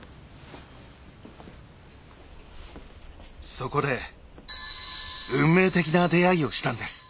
そこで運命的な出会いをしたんです。